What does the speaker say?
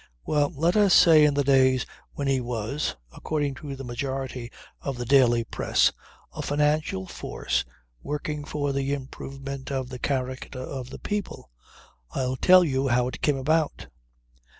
Well, let us say in the days when he was, according to the majority of the daily press, a financial force working for the improvement of the character of the people. I'll tell you how it came about.